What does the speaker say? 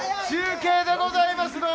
中継でございます。